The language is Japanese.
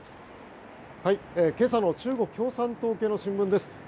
今朝の中国共産党系の新聞です。